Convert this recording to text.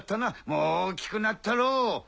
もう大きくなったろう。